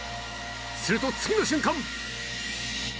すると次の瞬間！